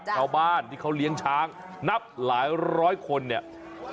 ชาวบ้านที่เขาเลี้ยงช้างนับหลายร้อยคนเนี่ย